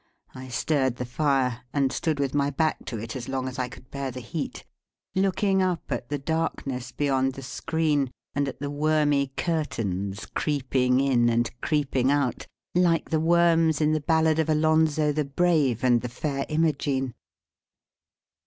I stirred the fire, and stood with my back to it as long as I could bear the heat, looking up at the darkness beyond the screen, and at the wormy curtains creeping in and creeping out, like the worms in the ballad of Alonzo the Brave and the Fair Imogene.